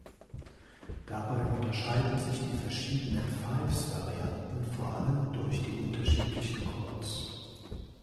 Dabei unterscheiden sich die verschiedenen Fives-Varianten vor allem durch die unterschiedlichen Courts.